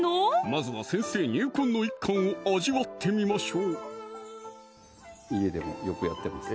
まずは先生入魂の一貫を味わってみましょう家でもよくやってます